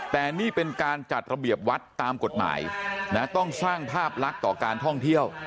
แต่นี่เป็นการจัดระเบียบวัดตามกฎหมายต้องสร้างภาพลักษณ์ต่อการท่องเที่ยว